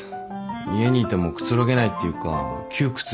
家にいてもくつろげないっていうか窮屈で。